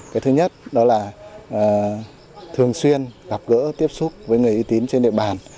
cái thứ nhất đó là thường xuyên gặp gỡ tiếp xúc với người y tín trên địa bàn